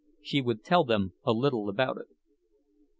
She would tell them a little about it.